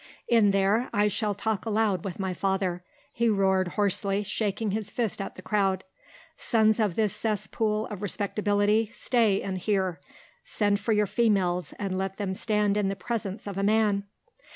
In there I shall talk aloud with my Father," he roared hoarsely, shaking his fist at the crowd. "Sons of this cesspool of respectability, stay and hear! Send for your females and let them stand in the presence of a man!"